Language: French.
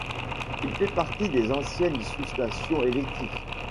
Il fait partie des anciennes sous-stations électriques.